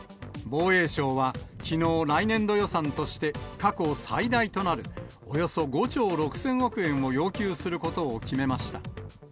防衛省は、きのう、来年度予算として、過去最大となるおよそ５兆６０００億円を要求することを決めました。